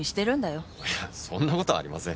いやそんな事ありません。